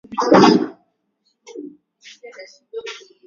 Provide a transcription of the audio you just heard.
Uvimbe wa sehemu ya kifua au kidari na miguu ya mbele